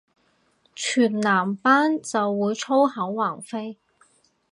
全男班就會粗口橫飛